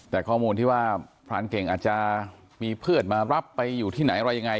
แต่ข้อมูลที่ว่าพรานเก่งอาจจะมีเพื่อนมารับไปอยู่ที่ไหนอะไรยังไง